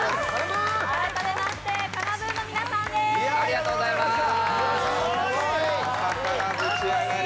改めましてＫＡＮＡ−ＢＯＯＮの皆さんです。